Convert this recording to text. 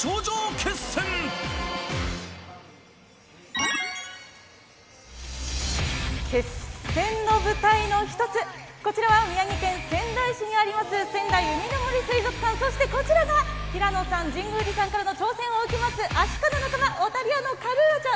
決戦の舞台の一つ、こちらは、宮城県仙台市にあります、仙台うみの杜水族館、そしてこちらが平野さん、神宮寺さんからの挑戦を受けます、アシカの仲間、オタリアのカルーアちゃん。